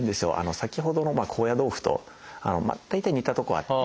先ほどの高野豆腐と大体似たとこあって。